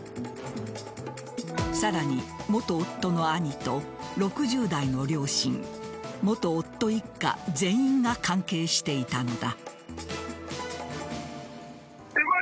さらに元夫の兄と６０代の両親元夫一家全員が関係していたのだ。